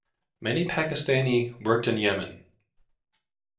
Many Pakistani worked in Yemen.